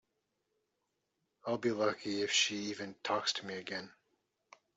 I'll be lucky if she even talks to me again.